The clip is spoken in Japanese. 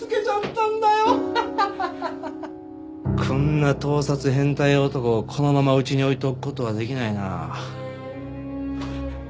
こんな盗撮変態男をこのままうちに置いておく事はできないなあ。